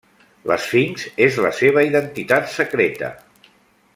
L'Esfinx és la seva identitat secreta.